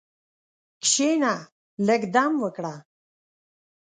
کښېنه، لږ دم وکړه.